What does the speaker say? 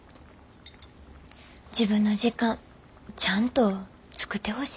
自分の時間ちゃんと作ってほしい。